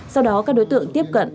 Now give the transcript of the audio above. sau đó các đối tượng tiếp cận